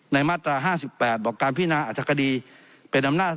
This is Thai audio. ในมาตรา๕๘บอกการพิจารณาอัลภักษณีย์เป็นอำนาจ